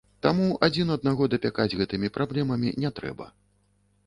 Таму адзін аднаго дапякаць гэтымі праблемамі не трэба.